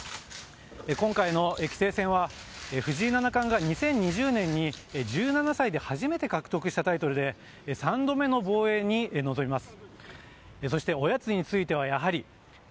今回の棋聖戦は、藤井七冠が２０２０年に１７歳で初めて獲得したタイトルで、３度目の防衛に臨みます。